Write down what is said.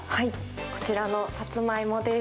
こちらの、サツマイモです。